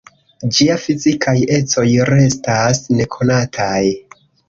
Ĝia fizikaj ecoj restas nekonataj.